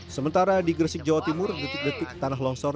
sementara di gresik jawa timur detik detik tanah longsor